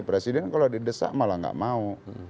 presiden kalau didesak malah nggak mau